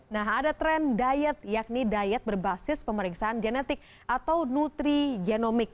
nah ada tren diet yakni diet berbasis pemeriksaan genetik atau nutri genomik